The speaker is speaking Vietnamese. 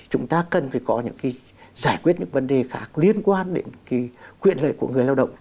chúng ta cần phải có những cái giải quyết những vấn đề khác liên quan đến cái quyền lợi của người lao động